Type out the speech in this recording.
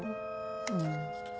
うん。